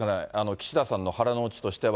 岸田さんの腹の内としては。